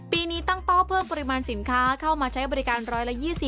ปีนี้ตั้งเป้าเพิ่มปริมาณสินค้าเข้ามาใช้บริการ๑๒๐